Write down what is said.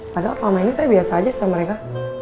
padahal selama ini saya biasa aja sama mereka